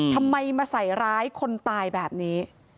ทำไมมาใส่ร้ายคนตายแบบนี้